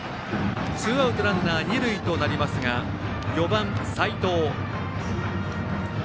ツーアウトランナー、二塁となりますが４番、齋藤。